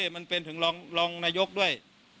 มันเป็นคนสอนมันสวบเสียบด้วย